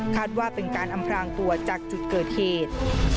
ว่าเป็นการอำพลางตัวจากจุดเกิดเหตุ